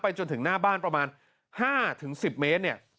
ไปจนถึงหน้าบ้านประมาณ๕๑๐เมตร